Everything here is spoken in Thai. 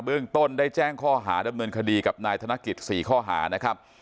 เรื่องต้นได้แจ้งข้อหาดำเนินคดีกับนายธนกิจ๔ข้อหานะครับ